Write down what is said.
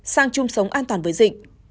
sang chung sống an toàn với dịch